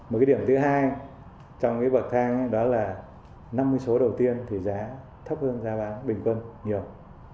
một cái điểm thứ hai trong cái bậc thang đó là năm mươi số đầu tiên thì giá thấp hơn giá bán bình quân nhiều